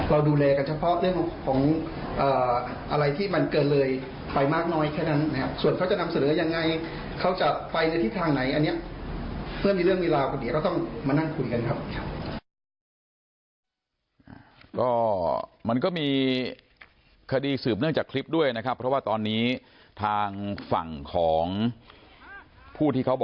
เราดูแลกันเฉพาะเรื่องของอะไรที่มันเกินเลยไปมากน้อยแค่นั้นนะครับ